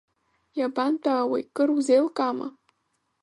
Иабантәи аауеи, кыр узеилкаама?